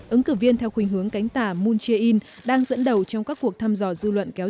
ứng cử viên theo khuyên hướng cánh tả moon jae in đang dẫn đầu trong các cuộc thăm dò dư luận kéo dài